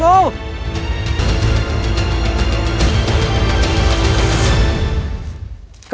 สวัสดีครับ